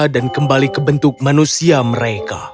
dan kembali ke bentuk manusia mereka